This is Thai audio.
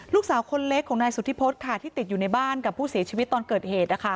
ลูกสาวคนเล็กของนายสุธิพฤษค่ะที่ติดอยู่ในบ้านกับผู้เสียชีวิตตอนเกิดเหตุ